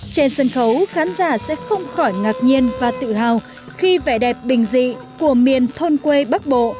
trên sân khấu khán giả sẽ không khỏi ngạc nhiên và tự hào khi vẻ đẹp bình dị của miền thôn quê bắc bộ